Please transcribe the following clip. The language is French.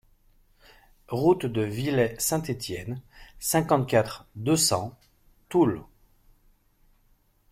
Route de Villey-Saint-Étienne, cinquante-quatre, deux cents Toul